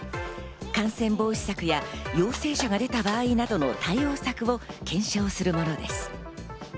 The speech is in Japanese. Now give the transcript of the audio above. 感染防止策や陽性者が出た場合などの対応策を検証するものです。